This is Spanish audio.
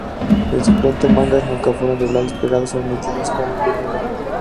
El suplente mangas nunca fueron doblados, pegados, o emitidos con vinilo.